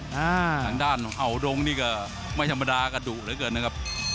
ข้างด้านเอาดงนี่ก็ไม่ธรรมดาก็ดุเลยเกินนะครับ